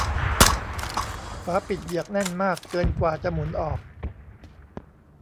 ฝาปิดเหยือกแน่นมากเกินกว่าจะหมุนออก